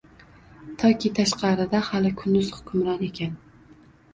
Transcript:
Toki tashqarida hali kunduz hukmron ekan.